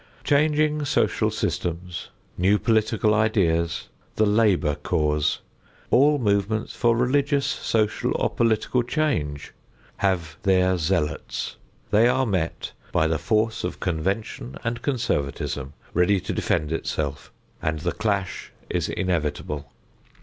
Changing social systems, new political ideas, the labor cause, all movements for religious, social or political change have their zealots; they are met by the force of convention and conservatism ready to defend itself, and the clash is inevitable.